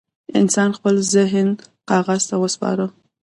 انسان خپل ذهن کاغذ ته وسپاره.